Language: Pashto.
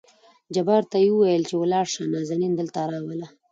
جبار ته يې ووېل چې ولاړ شه نازنين دلته راوله.